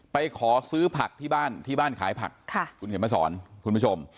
ไปขอซื้อผักที่บ้านที่บ้านขายผักคุณเขียนมาสอนคุณผู้ชม